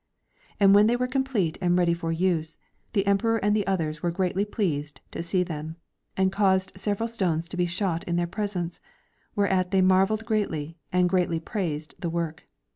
^ And when they were complete and ready for use, the Emperor and the others were greatly pleased to see them, and caused several stones to be shot in their joresence ; whereat they marvelled greatly and greatly j)raised the work.